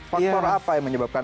faktor apa yang menyebabkan